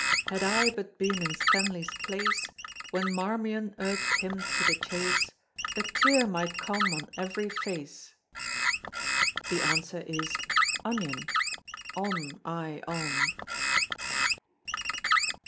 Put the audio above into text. Had I but been in Stanley's place, When Marmion urged him to the chase, A tear might come on every face. The answer is onion On, I, on.